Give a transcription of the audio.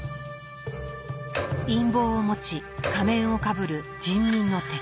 「陰謀」を持ち「仮面」をかぶる「人民の敵」。